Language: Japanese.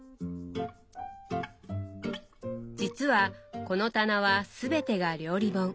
実はこの棚はすべてが料理本。